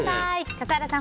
笠原さん